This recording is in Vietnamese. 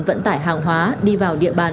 vận tải hàng hóa đi vào địa bàn